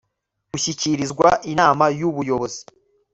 gushyikirizwa inama y ubuyobozi